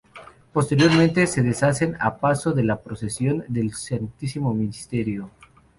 Posteriormente, se deshacen al paso de la Procesión del Santísimo Misterio.